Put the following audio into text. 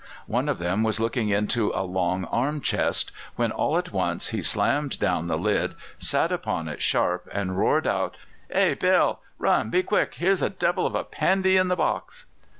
One of them was looking into a long arm chest, when all at once he slammed down the lid, sat upon it sharp, and roared out: "Hi! Bill, run! be quick! Here's a devil of a Pandy in the box!"